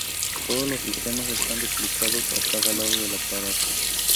Todos los sistemas están duplicados a cada lado del aparato.